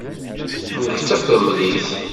Nekk d tafremlit.